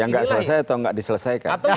yang gak selesai atau gak diselesaikan